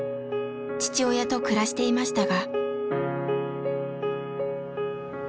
父親と暮らしていましたが。